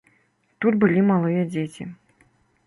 Тут былі малыя дзеці.